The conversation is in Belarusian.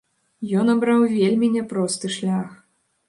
Ён абраў вельмі няпросты шлях.